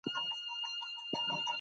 زده کړه ښځه د مالي استقلال احساس کوي.